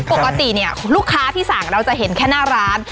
ปกติเนี่ยลูกค้าที่สั่งเราจะเห็นแค่หน้าร้าน